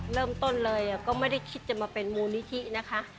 เริ่มต้นเลยก็ไม่ได้คิดจะมาเป็นมูลนิธินะคะ